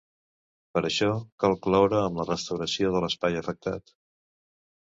Per això, cal cloure amb la restauració de l'espai afectat.